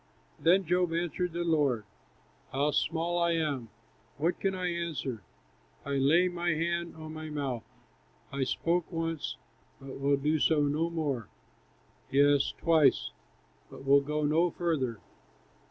Then Job answered the Lord: "How small I am! what can I answer? I lay my hand on my mouth. I spoke once, but will do so no more; Yes, twice, but will go no further.